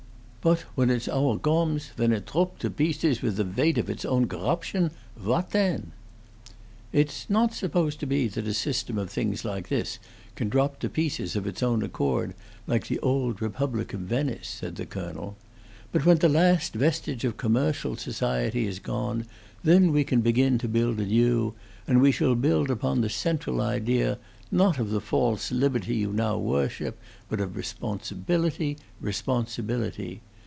Boat, when its hour gomes, when it trope to bieces with the veight off its own gorrubtion what then?" "It's not to be supposed that a system of things like this can drop to pieces of its own accord, like the old Republic of Venice," said the colonel. "But when the last vestige of commercial society is gone, then we can begin to build anew; and we shall build upon the central idea, not of the false liberty you now worship, but of responsibility responsibility.